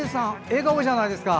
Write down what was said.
笑顔じゃないですか。